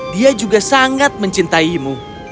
dia juga sangat mencintaimu